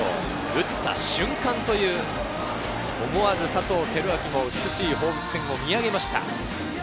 打った瞬間という、思わず佐藤輝明も美しい放物線を見上げました。